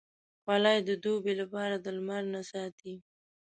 خولۍ د دوبې لپاره د لمر نه ساتي.